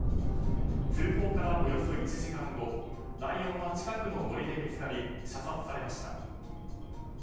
通報からおよそ１時間後ライオンは近くの森で見つかり射殺されました。